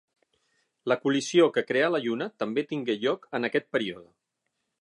La col·lisió que creà la Lluna també tingué lloc en aquest període.